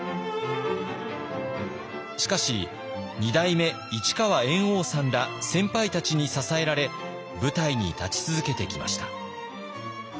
しかし二代目市川猿翁さんら先輩たちに支えられ舞台に立ち続けてきました。